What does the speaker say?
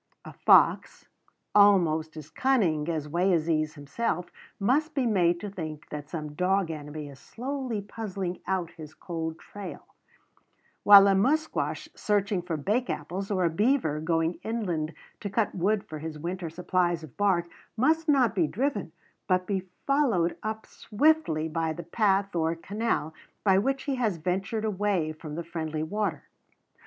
A fox, almost as cunning as Wayeeses himself, must be made to think that some dog enemy is slowly puzzling out his cold trail; while a musquash searching for bake apples, or a beaver going inland to cut wood for his winter supplies of bark, must not be driven, but be followed up swiftly by the path or canal by which he has ventured away from the friendly water.